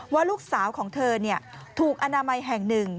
ว่าลูกสาวของเธอถูกอนามัยแห่งหนึ่ง